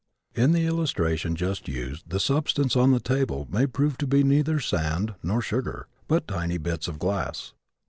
In the illustration just used the substance on the table may prove to be neither sand nor sugar, but tiny bits of glass.